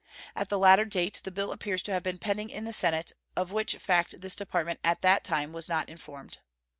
At the latter date the bill appears to have been pending in the Senate, of which fact this Department at that time was not informed.